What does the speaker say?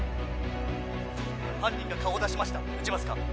犯人が顔を出しました撃ちますか？